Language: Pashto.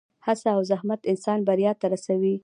هڅه او زحمت انسان بریا ته رسوي.